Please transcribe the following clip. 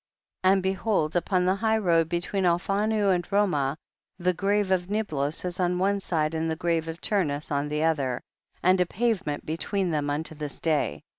27. And behold upon the high road between Alphanu and Romah the grave of Niblos is on one side and the grave of Turnus on the other, and a pavement between thera unto this day.